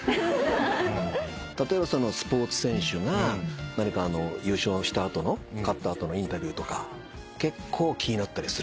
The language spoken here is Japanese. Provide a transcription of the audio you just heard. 例えばそのスポーツ選手が優勝した後の勝った後のインタビューとか結構気になったりする？